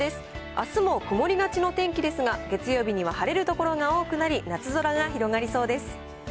あすも曇りがちの天気ですが、月曜日には晴れる所が多くなり、夏空が広がりそうです。